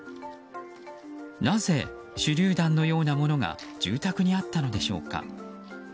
なぜ、手りゅう弾のようなものが住宅にあったのでしょうか。